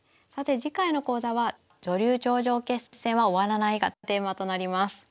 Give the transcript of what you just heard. さて次回の講座は「女流頂上決戦は終わらない」がテーマとなります。